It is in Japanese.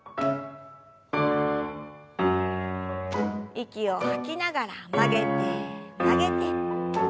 息を吐きながら曲げて曲げて。